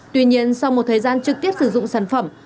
tuy nhiên sau một thời gian trực tiếp sử dụng sản phẩm